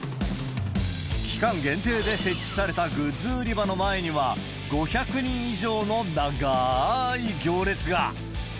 期間限定で設置されたグッズ売り場の前には、５００人以上の長ーい行列が。